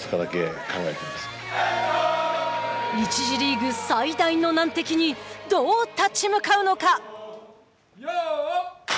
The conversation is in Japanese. １次リーグ最大の難敵にどう立ち向かうのか！